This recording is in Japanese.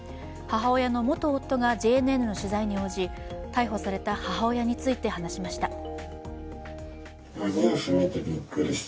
母親の元夫がＪＮＮの取材に応じ逮捕された母親について話しました。